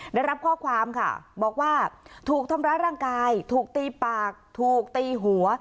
ได้รับข้อความค่ะบอกว่าถูกทำร้ายร่างกายถูกตีปากถูกตีหัว